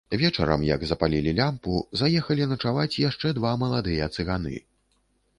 Вечарам, як запалілі лямпу, заехалі начаваць яшчэ два маладыя цыганы.